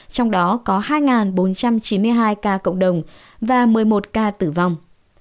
trong đó có hai bốn trăm chín mươi hai ca cộng đồng và một mươi một ca tử vong